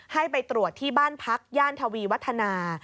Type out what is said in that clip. ให้ไปตรวจที่บ้านพักย่านทวีวัฒนา